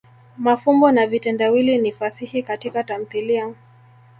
mafumbo na vitendawili ni fasihi Katika tamthilia.